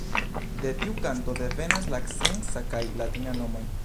De tiu kanto devenas la scienca kaj latina nomoj.